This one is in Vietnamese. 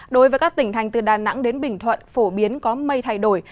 đối với các tỉnh thành từ đà nẵng đến bình thuận phổ biến có mây thay đổi